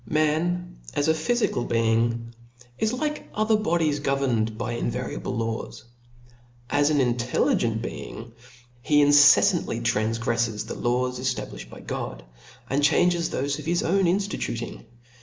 Man, as a phyfical being, is, like other bodies, governed by invariable laws. As an intelligent be ing, he inceffantly tranfgreffes the laws eftablifhed by God j and changes thofe of his own inftituting.